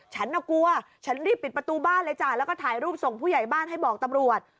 น่ากลัวฉันรีบปิดประตูบ้านเลยจ้ะแล้วก็ถ่ายรูปส่งผู้ใหญ่บ้านให้บอกตำรวจ